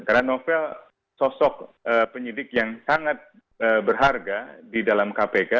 karena novel sosok penyidik yang sangat berharga di dalam kpk